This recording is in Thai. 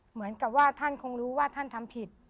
เหมือนกับว่าท่านคงรู้ว่าท่านทำผิด